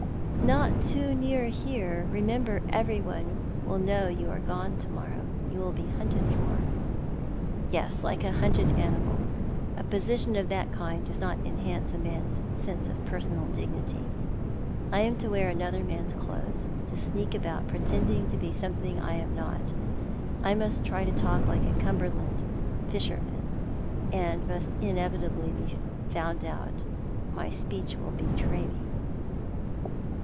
" Not too near here ; remember everyone will know you are gone to morrow morning. You will be hunted for." " Yes, like a hunted animal. A position of that kind does not enhance a man's sense of personal dignity. I am to wear another man's clothes, to sneak about pretending to be some thing that I am not. I must try to talk like a Cumberland fisherman, and must inevitably be found out. My speech will betray me."